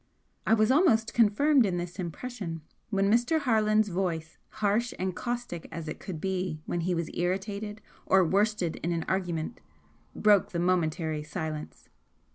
I was almost confirmed in this impression when Mr. Harland's voice, harsh and caustic as it could be when he was irritated or worsted in an argument, broke the momentary silence.